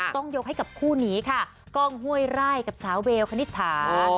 ต้องยกให้กับคู่นี้ค่ะกล้องห้วยไร่กับสาวเวลคณิตถา